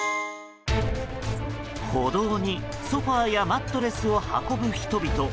歩道にソファやマットレスを運ぶ人々。